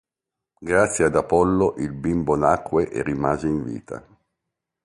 Grazie ad Apollo il bimbo nacque e rimase in vita.